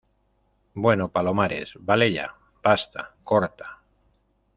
bueno, Palomares , vale ya. basta , corta .